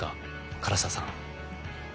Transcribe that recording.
唐澤さん。